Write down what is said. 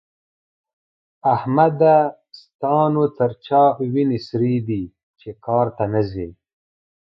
احمده! ستا نو تر چا وينې سرې دي چې کار ته نه ځې؟